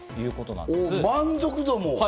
満足度も？